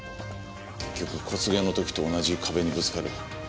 結局小菅の時と同じ壁にぶつかる。